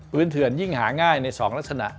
เถื่อนยิ่งหาง่ายใน๒ลักษณะ